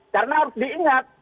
karena harus diingat